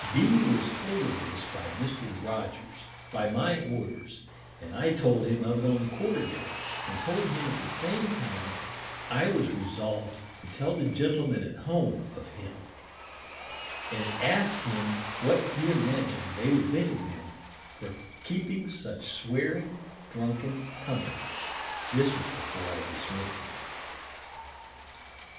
B s was told of this by Mr. Rogers, by my Orders, and I told him of it on the Quarter Deck, and told him at the same time I was resolv'd to tell the Gentlemen at Home of ; and ask'd him what he imagin'd they would think of him for keeping such swearing drunken Company. This was before I dismiss'd him.